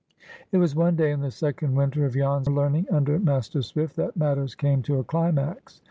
It was one day in the second winter of Jan's learning under Master Swift that matters came to a climax.